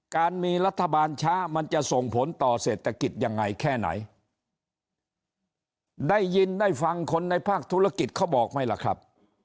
การมีรัฐบาลช้ามันจะส่งผลต่อเศรษฐกิจยังไงแค่ไหนได้ยินได้ฟังคนในภาคธุรกิจเขาบอกไหมล่ะครับ